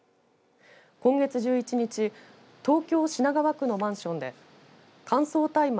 今月１１日東京品川区のマンションで乾燥大麻